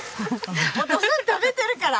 お義父さん食べてるから。